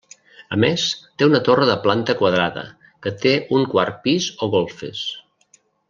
A més, té una torre de planta quadrada, que té un quart pis o golfes.